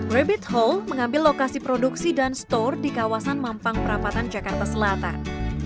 rabbit hall mengambil lokasi produksi dan store di kawasan mampang perapatan jakarta selatan